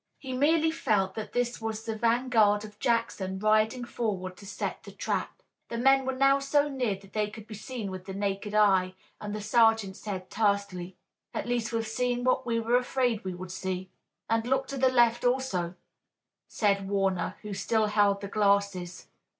He merely felt that this was the vanguard of Jackson riding forward to set the trap. The men were now so near that they could be seen with the naked eye, and the sergeant said tersely: "At last we've seen what we were afraid we would see." "And look to the left also," said Warner, who still held the glasses.